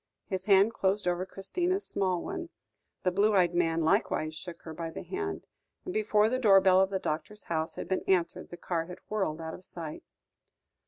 His hand closed over Christina's small one, the blue eyed man likewise shook her by the hand, and before the door bell of the doctor's house had been answered, the car had whirled out of sight.